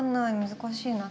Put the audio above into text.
難しいな。